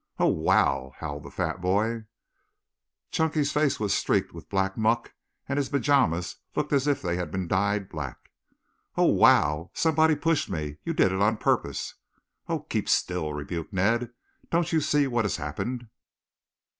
"Oh, wow!" howled the fat boy. Chunky's face was streaked with black muck and his pajamas looked as if they had been dyed black. "Oh, wow! Somebody pushed me! You did it on purpose." "Oh, keep still," rebuked Ned. "Don't you see what has happened?"